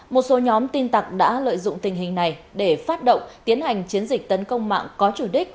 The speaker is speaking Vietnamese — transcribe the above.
một số nhóm tin tặc đã lợi dụng tình hình này để phát động tiến hành chiến dịch tấn công mạng có chủ đích